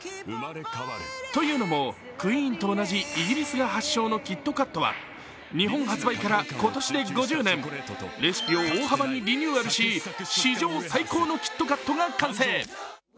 というのも、ＱＵＥＥＮと同じイギリスが発祥のキットカットは、日本発売から今年で５０年レシピを大幅にリニューアルし史上最高のキットカットが完成。